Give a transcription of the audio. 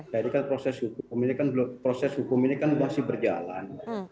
jadi kan proses hukum ini kan masih berjalan